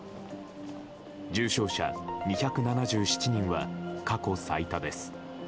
重症者２７７人は過去最多です。